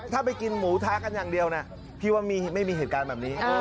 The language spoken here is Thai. ถ้าไปกินหมูท้ากันอย่างเดียวนะพี่ว่าไม่มีเหตุการณ์แบบนี้